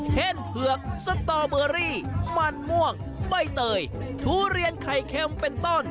เผือกสตอเบอรี่มันม่วงใบเตยทุเรียนไข่เค็มเป็นต้น